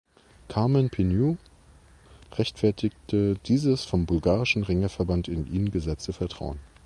Kamen Penew rechtfertigte dieses vom bulgarischen Ringerverband in ihn gesetzte Vertrauen.